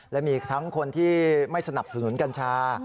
และมีทั้งคนที่ไม่สนับสนุนกัญชา